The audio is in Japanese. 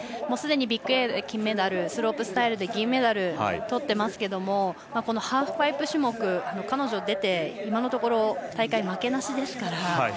すでにビッグエアで金メダルスロープスタイルで銀メダルをとっていますがハーフパイプ種目、彼女出て今のところ大会負けなしですから。